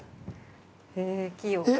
へぇ、器用。